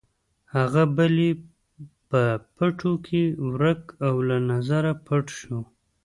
هغه بل یې په پټیو کې ورک او له نظره پټ شو.